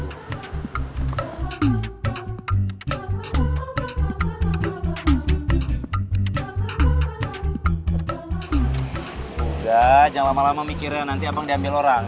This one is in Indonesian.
udah jangan lama lama mikirin nanti abang diambil orang